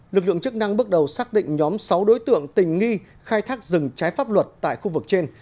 lực lượng chức năng bước đầu xác định nhóm sáu đối tượng tình nghi khai thác rừng trái pháp luật tại khu vực trên